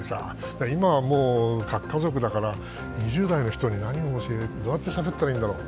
今はもう核家族だから２０代の人に何を教えたら、どうやってしゃべったらいいんだろう？